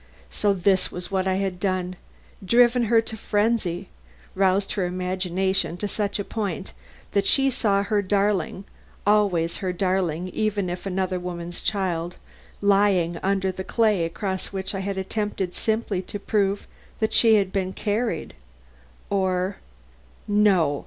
So this was what I had done! Driven her to frenzy; roused her imagination to such a point that she saw her darling always her darling even if another woman's child lying under the clay across which I had attempted simply to prove that she had been carried. Or no!